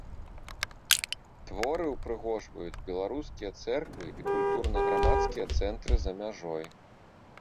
Творы ўпрыгожваюць беларускія цэрквы і культурна-грамадскія цэнтры за мяжой.